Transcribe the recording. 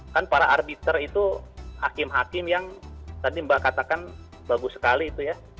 kan para arbiter itu hakim hakim yang tadi mbak katakan bagus sekali itu ya